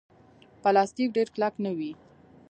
پلاستيک ډېر کلک نه وي.